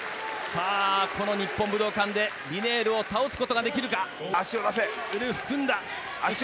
日本武道館でリネールを倒すことができるのか。